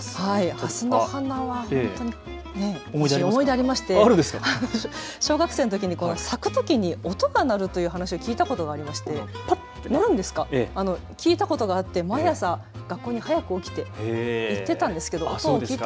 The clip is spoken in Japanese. ハスの花は本当に思い出、ありまして小学生のときに咲くときに音が鳴るという話を聞いたことがありまして毎朝学校に早く起きて行ってたんですけど。